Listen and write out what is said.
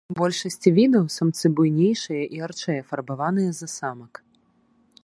У большасці відаў самцы буйнейшыя і ярчэй афарбаваныя за самак.